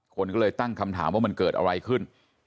คนก็เลยตั้งคำถามว่ามันเกิดอะไรขึ้น